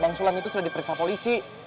bang sulam itu sudah diperiksa polisi